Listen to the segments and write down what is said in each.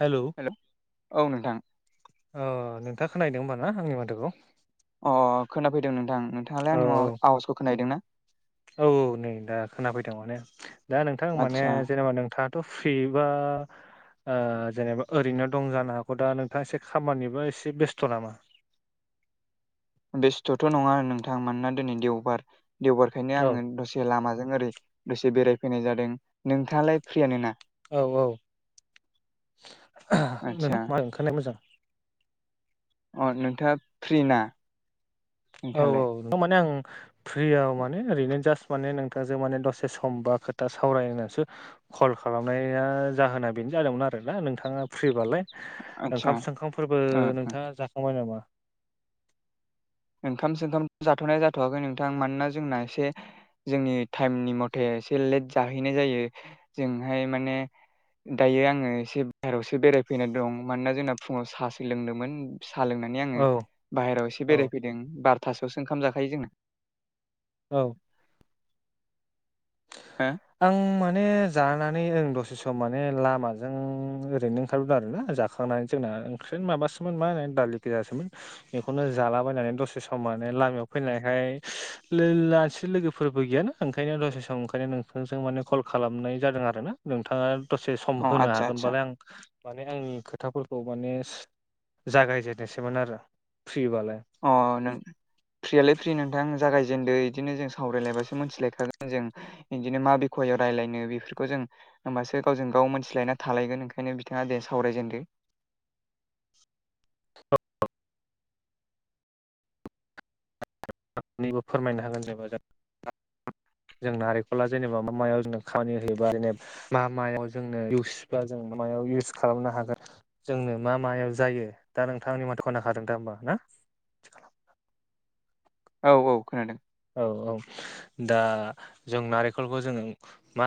हेल' hello औ नोंथां। अ नोंथांङा खोनायदों होनबा ना आंनि माथोखौ? अ खोनाफैदों नोंथां। नोंथांङालाय औ आं माव आवाजखौ खोनाहैदों ना? औ नै दा खोनाफैदों। माने दा नोंथां माने आदसा जेनेबा नोंथां दाथ फ्रिबा जेनेबा ओरैनो दं जानो हागौ दा नोंथाङा एसे खामानिबो एसे बेस्थ' नामा? बेस्थ'थ' नंङा नोंथां। मानोना दिनै देवबार देवबारखायनो औ आंङो दसे दसे लामाजों ओरै दसे बेरायफैनाय जादों। नोंथांङालाय फ्रियनोना? औ औ नों आदसा मा ओंखारनाया मोजां। अ नोंथांङा फ्रि ना? औ औ नोंथाङालाय थारमाने आं फ्रियाव माने ओरैनो जास्ट माने नों थांजों माने दसे सम बा खोथा सावराय होननानैसो कल खालामनाया जाहोना बेनो जादोंमोन आरोना नोंथांङा फ्रिबालाय। आदसा ओंखाम सोमखामफोरबो ओ ओ नोंथांङा जाखांबाय नामा? ओंखाम सोंंखाम जाथ'नाय जाथ'वाखै नोंथां। मानोना जोंना एसे जोंनि टाइमनि मथे एसे लेट जाहैनाय जायो। जोंहाय माने दायो आङो एसे बाहेरावसो बेरायफैनानै दं। मानोना जोंना फुङाव सासो लोंदोंमोन। साह लोंनानै आङो औ बाहहेरायाव एसे औ बेरायफैदों बार'थासोआवसो ओंखाम जाखायो जोंना। औ। हो? आं माने जानानै आं दसे सम माने लामाजों ओरैनो ओंखारबोदों आरोना जाना। खांनानै जोंना ओंख्रिनो माबासोमोन मा होनो दालि गोैजासोमोन। बेखौनो जालाबायनानै दसे सम माने लामायाव फैनायखाय लासि लोगोफोरबो गैयाना। ओंखायनो दसे ओंखायनो नोंथांजों माने कल खालामनाय जादों आरो ना। नोंथांङा दसे सम अ होनो आदसा आदसा हागोनबालाय आं माने आंनि खोथाफोरखौ माने जागायजेननोसैमोन आरो फ्रिबालाय। अ नों फ्रियालाय फ्रि नोंथां जागायजेनदों बिदिनो जों सावरायलायबासो मोनथिलायखागोन जों। बिदिनो मा बिख'याव रायलायनो बेफोरखौ जों होमबासो गावजों गाव मोनथिलायना थालायगोन ओंखायनो बिथांङा दे सावरायजेनदो। सानैबो फोरमायनो हागोन जेनेबा जों। जों नारेंखला जेनेबा मा मायाव जों खामानि होयोबा जेनेबा मा मायाव जोंनो इउस बा जों मायाव इउस खालामनो हागोन। जोंनो मा मायाव जायो दा नोंथां आंनि माथ खोनाखादों दा होमबा ना? औ औ खोनादों। औ ओ दा जों नारेंखलखौ जोंङो मा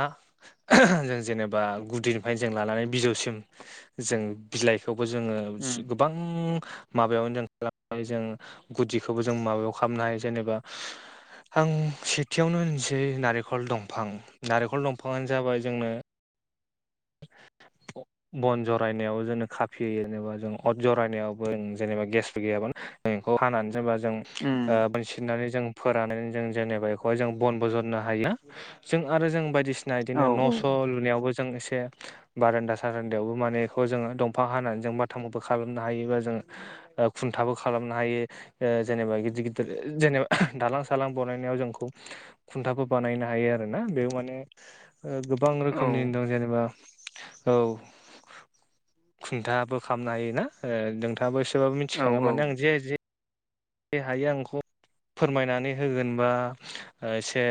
जों जेनेबा गुदिनिफ्रायनो जों लानानै बिजौसिम जों बिलाइखौबो जोंङो उम गोबां माबायावनो जों खालामनानै जों गुदिखौबो जों माबायाव खालामनो हायो जेनेबा आं सेथियावनो होनसै नारेंखल दंफां नारेंखल दंफाङानो जाबाय जोंना [inaudible] बन जरायनायावबो जोंनि खाफि होयो जेनेबा जों अर जरायनायावबो ज जेनेबा गेसफोर गैयाबा मखौ हानानै जेनेबा जों उम मोनसिनानै जों फोरनानै जों जेनेबा बेखौहाय जों बन बजननो हायो जों आरो जों बायदिसिना औ जाना बिदिनो न'स' लुनायावबो जों एसे बारान्दा सारान्दायावबो माने बेखौ जोंङो दंफां हानानै जों बाथामबो खालामनो हायोबा जोंङो ओ खुन्थाबो खालामनो हायो। जेनेबा गिदिर गिदिर जेनेबा दालां सालां बानायनायाव जोंखौ खुन्थाबो बानायनो हायो आरो ना बेयाव ओ माने गोबां औ रोखोमनि दं जेनेबा औ खुन्थाबो खालामनो हायो। नोंथाङाबो एसेबाबो औ मिथिखागोन औ माने आं जे जि हायो आं खौ फोरमायनानै होगोनबा एसे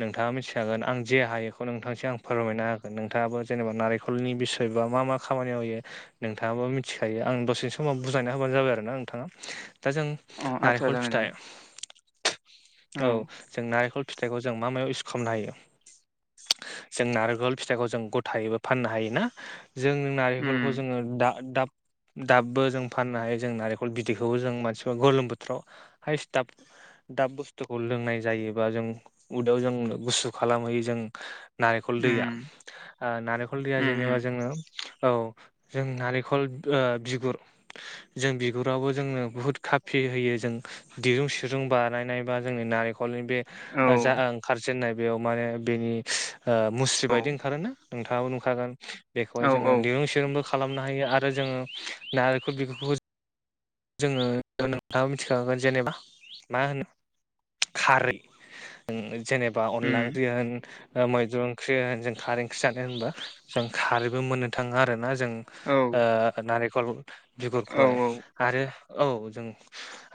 नोंथाङा मिथिखागोन आं जे हायो इखौ नोंथांसो आं फोरमायनो होगोन नोंथाङाबो जेनेबा नारि लनि बिसय बा मा मा खामानियामाव‌ होयो। नोंथाङाबो मिथिखायो आं दसे समाव बुजायनाय होबानो जाबाय आरो ना नोंथाङा। दा जों अ आदसा नारिखल जागोन फिथाइ जागोन औ जों नारेंखल फिथाइखौ जों मा मायाव इऊस खालामनो हायो। जों नारेंखल फिथाइखौ जों गथायैबो फाननो हायोना जों रिखलखौ उम जोङो दाब दाबबो जों फाननो हायो जों नारेंखल बिदैखौबो जों सोरबा गोलोम बोथोराव हाइस दाब दाब बुस्थुखौ लोंनाय जायोबा जों उदैयाव जों गुसु खालामहैयो जों नारिखल दैया उम नारिखल दैया उम जेनेबा उम जोङो औ। जों नारिखल बिगुर जों बिगुरावबो जोंनो बुहुद खाफि होयो जों दिरुं सिरुं बानायनायबा जोंङो‌ जि खलनि बे औ जा ओंखारजेन्नाय बेयाव माने बेनि मुस्रि औ बादि ओंखारोना नोंथांङाबो नुखागोन बेखौहाय औ औ जोंङो दुं जोरोंबो खालामनो हायो आरो जोंङो नारेंखल बिगुर जोंङो नोंथांङाबो मिथिखांगोन जेनेबा मा होनो खारै ओ‌ जेनेबा अनला उम ओंख्रि होन मैद्रु ओंख्रि होन जों खारै ओंख्रि जानो होनबा जों खारैबो मोननो थाङा आरो ना जोंङो औ नारेंखल औ बिगुरखौहाय आरो औ जोंङो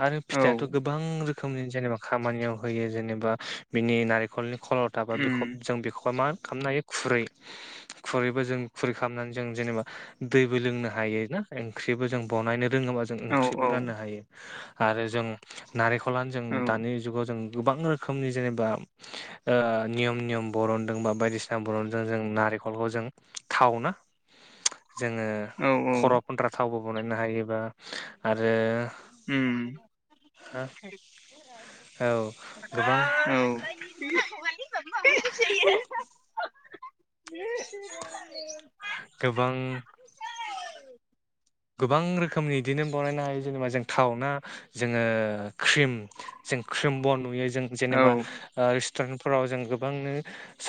आरो औ फिथाइयाथ' गोबां रो रोखोमनि जेनेबा खामानियाव होयो जेनेबा बिनि नारेंखलनि खल'थ दाबा उम बेखब‌ जों बेखौबा मा खालामनो हायो खुरै खुरैबो जों खुरै खालामनानै जों जेनेबा दैबो लोंनो हायो ना ओंख्रिबो जों बनायनो रोङोबा जों औ ओंख्रिबो राननो हायो आरो जों नारिखलानो जों औ दानि जुगाव जों गोबां रोखोमनि जेनेबा नियम नियम बरनदों बा बायदिसिना बरनदों जों नारिखलखौ जों थाव ना जोङो। औ औ खर'वाव फुनग्रा थावबो बनायनो हायोबा आरो उम औ। गोबां औ। [inaudible] [inaudible] गोबां गोबां रोखोमनि इदिनो बनायनो हायो जेनेबा जों थावना जोङो क्रिम जों क्रिम बन नुयो जों जेनेबा ओ रेस्टुरेन्टफोराव जों गोबांनो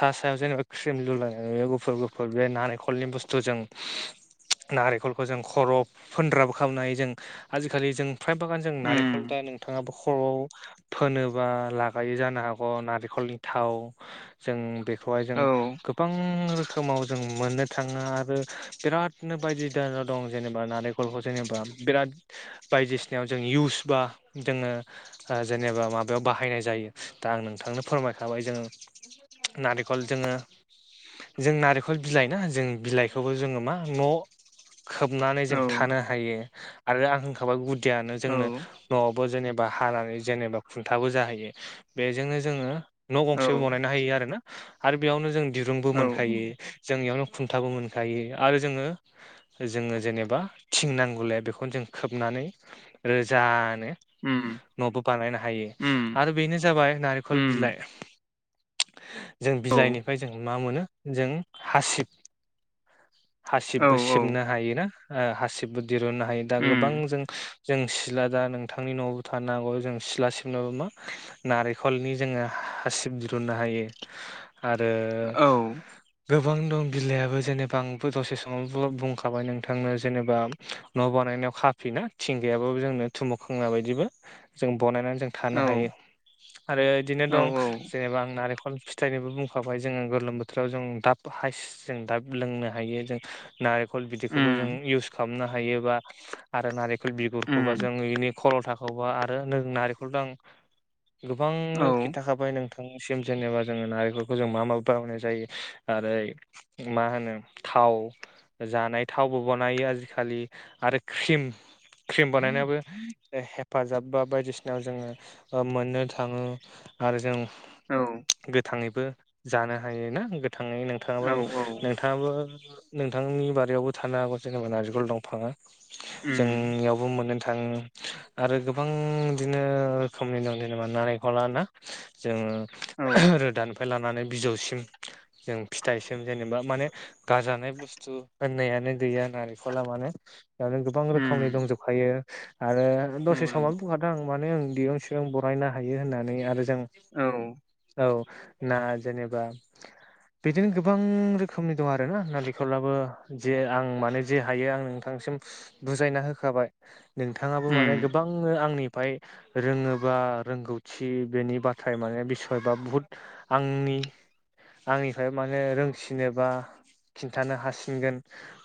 सा सायाव जेनेबा क्रिम लुलायो गुफुर गुफुर बे नारिखलनि बुस्थुजों नारेखलखौ जों खर'वाव फोनग्राबो खालामनो हायो जों आजिखालि जों फ्राय बागान जों उम नारेखल दा नोंथाङाबो खर'आव फोनोबा लागायो जानो हागौ नारेंखलनि थाव जों बेखौहाय जों औ औ गो बां रोखोमाव जों मोननो थाङो आरो बिरादनो बायदि‌ [unintelligible] दं। जेनेबा नारेखलखौ जेनेबा बिराद बायदिसिनायाव जों इउस बा जोङो ओ जेनेबा माबायाव बाहायनाय जायो दा आं नोंथांनो फोरमायखाबाय जों नारेखल जोङो जों नारेखल बिलाइ ना जों बिलाइखौबो जोङो मा न' खोबनानै औ जों थानो हायो आरो आं होनखाबाय गुदियानो औ जोंनो न'वावनो जेनेबा हानानै जेनेबा खुन्थाबो जाहैयो बेजोंनो जोङो न' गंसेबो बनायनो हायो आरोना आरो बेयावनो जों दिरुंबो मोनखायो। जों इनियावनो खुंथाबो मोनखायो आरो जोङो जोङो जेनेबा थिं नांगौलाय बेखौनो जों खोबनानै रोजानो उम न'बो बानायनो हायो उम आरो बेनो जाबाय नारिखल उम बिलाइ जों औ बिलाइनिफ्राय जों मा मोनो जों हासिब औ हासिबबो औ सिबनो हायो ना ओ हासिबबो दरुननो हायो दा उम गोबां जों जों सिला दा नोंथांनि न'वावबो थानो हांगौ जों सिला सिबनोबो मा नारेखलनि जोङो हासिब दिरुननो हायो। आरो औ गोबां दं बिलाइयाबो जेनेबा आंबो दसे समाव [unintelligible] बुं खाबाय नोंथांनो जेनेबा न' बानायनायाव खाफि ना थिं गैयाबो जोंनो थुमु खोंना बायदिबो जों बनायनानै जों थानो हायो आरो इदिनो औ उम औ दं औ जेनेबा आं नारेंखल फि थाइनोबो बुंखाबाय जोङो गोलोम बोथोराव जों दाब हाइस जों दाब लोंनो हायो जों नारे खल बिदिखौबो जों इउस खालामनो हायो बा आरो नारेखल बिगुरखौबा जों इनि खल'थाखोबो आरो नों नारेखलदो आं गोबांनो खिन्थाखा बाय नोंथांनिसिम जेनेबा जोङो नारेखलखौ जों मा माव बावनाय जायो आरो मा होनो थाव जानाय थावबो बनायो आजिखालि आरो क्रिम क्रिम बानायनायावबो ओ हेफाजाब बा बायदिसिनायाव ओ जोङो मोननो थाङो। आरो जों गोथाङैबो जानो हायोना गोथाङै नोंथाङाबो नों थाङाबो नोंथांनि बारियावबो थानो हागौ जेनेबा नारिखल दंफाङा उम जोंनियावबो मोननो थाङो आरो गोबां इदिनो रोखोमनि दं जेनेबा नारेखला ना? जोङो औ उम [inaudible] रोदान खौ लानानै बिजौसिम जों फिथाइसिम जेनेबा माने गारजानाय बुस थु होननायानो गैया नारेखला माने दा बे गोबां रोखोमनि दंजोब खायो आरो दसे नंगौ नंगौ समाव बुंखादो आं माने आं दिरुं सिरुं बरायनो हायो होननानै आरो जों औ औ ना जेनेबा बिदिनो गोबां रोखोमनि दं आरोना नारे खलाबो जे आं माने जे हायो आं नोंथांसिम बुजायना होखाबाय। नोंथाङाबो माने उम गोबांनो आंनिफाय रोङोबा रोंगौथि बेनि बाथ्राया माने बिसय बा बुहुत आंनि आंनिफ्रायबो माने रोंसिनो बा खिन्थानो हासिनगोन।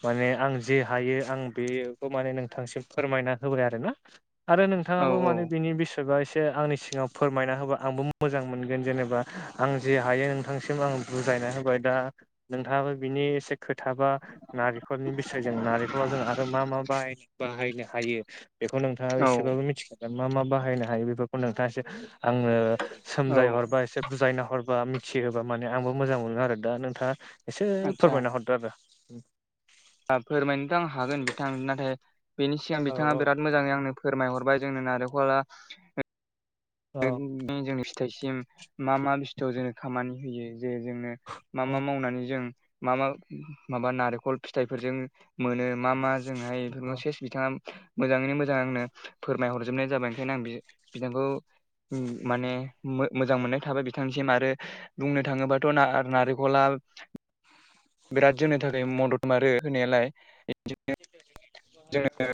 माने आं जे हायो आं बेखौ माने नोंथांसिम फोरमायना होबाय आरोना। आरो औ नोंथाङाबो माने बिनि बिस सोरबा एसे आंनि सिगाङाव फोरमायना होबा आंबो मोजां मोनगोन जेनेबा आं जे हायो नोंथांसिम आं बुजायना होबाय दा नोंथाङाबो बिनि एसे खोथा बा नारिखलनि बिसयजों नारेखलाव जों आरो मा मा बाहाय बाहायनो हायो। बेखौ नोंथाङाबो औ एसेबाबो मिथिखागोन मा मा बाहायनो हायो बेफोरखौ नोंथाङा एसे आंनो सोमजाय औ हरबा एसे बुजायना हरबा मिथिहोबा माने आंबो मोजां मोनो आरो दा नोंथाङा एसे आदसा फोरमायना हरदो आरो फोरमायनोथ आं हागोन बिथां नाथाय बेनि सिगां औ बिथाङा बिराद मोजाङै आंनो फोरमायहरबाय जोंनो नारेंखला [inaudible] औ जोंनि फिथाइसिम मा मा बुस्थुवाव जोंनो खामानि होयो जे जोंनो मा औ मा मावनानै जों मा मा माबा नारेखल फिथाइफोरजों मोनो मा मा जोंहाय औ बेफोरखौ सेस बिथाङा मोजाङैनो मोजां आंनो फोरमायहरजोबनाय जाबाय ओंखायनो आं बि-बिथांखौ ओम माने मोजां मोननाय थाबाय बिथांसिम आरो बुंनो थांङोबाथ' नारेंखला बिराद जोंनो थाखाय मदद मारो होनायालाय जोंङो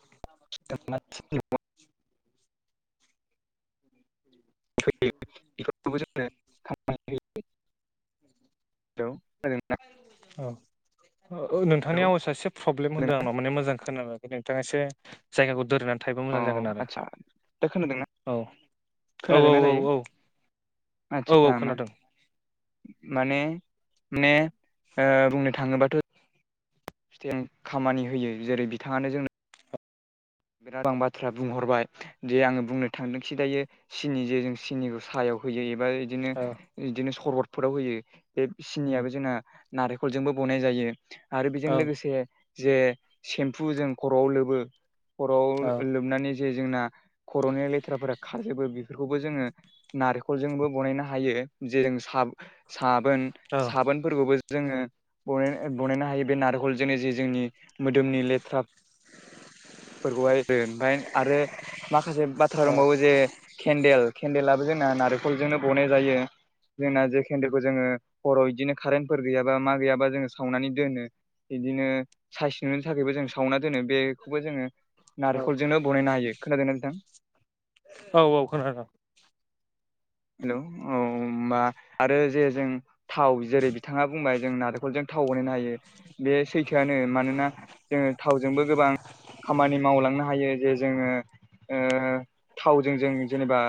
नो [unintelligible] फै बेफोरबो जोंङो [unintelligible] होयो औ नोंथांनि औ आवसआ एसे प्रब्लेम होनदों नामा माने मोजां खोना नोंथांङा एसे जायगाखौ दोरनानै अ आदसा दा खोनादोंना? औ औ औ खोनादोंना औ दायो औ औ औ आदसा खोनादों। माने माने बुंनो थांङोबाथ' फिथथाय खामानि होयो जेरै बिथांङानो जोंनो गोबां बाथ्रा बुंहरबाय दे आंङो बुंनो थांदोंसि दायो सिनि जे जों सिनिखौ साहायाव होयो एबा बिदिनो औ बिदिनो सरबतफोराव होयो बे उम सिनियाबो जोंना नारेखलजोंबो बनाय जायो आरो बिजों औ लोगोसे जे सेम्फु जों खर'आव लोबो खर'आव औ लोबनानै जे जोंना खर'नि लेथ्राफोरा खाजोबो बेफोरखौबो जोंङो नारेखलजोंबो बानायनो हायो जे जों साबोन औ साबोन फोरबो जोंङो बानायनो हायो बे नारेखलजोंनो जे जोंनि मोदोमनि लेथ्रा फोरखौहाय ओमफ्राय आरो माखासे बाथ्रा दंबावो जे केन्देल केन्देलाबो जोंना नारेंखलजोंनो बनाय जायो। जोंना जे केन्देलखौ जोंङो हराव बिदिनो कारेन्टफोर गैयाबा मा गैयाबा जोंङो सावनानै दोनो। बिदिनो साइस नुनो थाखायबो जों सावना दोनो बे खौबो जोंङो नारेंखलजोंनो बानायनो हायो खोनादों ना नोंथां? औ औ खोनादों हेल' औ होनबा आरो जे जों थाव जेरै बिथांङा बुंबाय जों नारेंखलजों थाव बानायनो हायो बे सैथोआनो मानोना जोंङो थावजोंबो गोबां खामानि मावलांनो हायो। जे जोंङो थावजों जों जेनेबा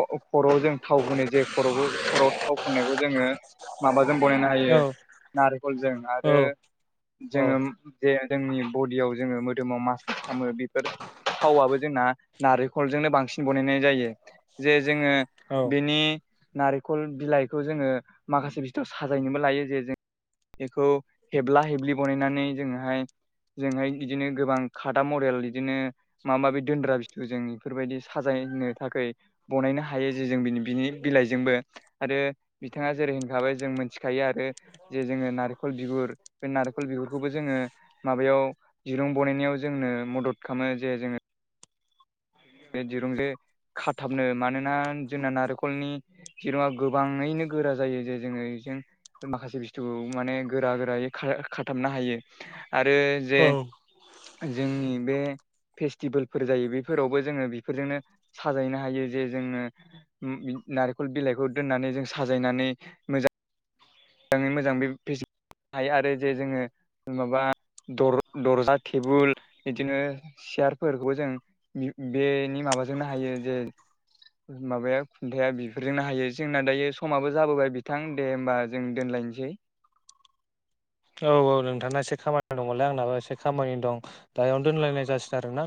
खर'जों थाव फुननो जे खर' खर'आव थाव फुननायखौ जोंङो माबाजों बनायनो औ हायो। नारखलजों औ आरो जोंङो जे जोंनि बडियाव जोंङो मो मोदोमाव मासास खामो बेफोर थावआबो जोंना नारेंखलजोंनो बांसिन बानायनाय जायो। जोंङो औ बिनि नारेंखल बिलाइखौ जोंङो माखासे बिस्थुयाव साजायनोबो लायो जे जों बेखौ हेबब्ला हेब्लि बनायनानै जोंङोहाय जोंहाय इदिनो गोबां खादा मडेल बिदिनो मा माबि दोनद्रा बस्थु जों इफोरबायदि साजायनो थाखाय बनायनो हायो जे जोंनि बिनि बिलाइजोंबो आरो बिथाङा जेरै होनखाबाय जों मिथिखायो आरो जे जोंङो नारेंखल बिगुर बे नारेखल बिगुरखौबो जोंङो माबायाव दिरुं बनायनायाव जोंनो मदद खालामो जे जोंङो बे दिरुंजो खाथाबनो मानोना जोंना नारेंखलनि जेनबा गोबांङैनो गोरा जायो जे जोंङो बेजों माखासे बुस्थुखौ माने गोरा गोरायै खा खाथाबनो हायो आरो जे औ जोंनि बे फेस्टिभेलफोर जायो बेफोरावबो जोंङो बेफोरजोंनो साजायनो हायो जे जोंङो नारेंखल बिलाइखौ दोननानै जों साजायनानै मोजां मोजाङै मोजां बे फेसेबनो हायो आरो जे जोंङो माबा दर दरजा टेबोल बिदिनो सियारफोरखौबो जों बेनि माबाजोंनो हायो जे माबाया खुन्थाया बेफोरजोंनो हायो जोंना दायो समाबो जाबोबाय बिथां दे होमबा जों दोनलायनोसै। औ औ नोंथां एसे खामानि दंमोनलै आंनाबो एसे खामानि दं दायो इयावनो दोनलायनाय जासिगोन आरो ना।